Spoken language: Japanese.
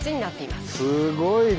すごいね！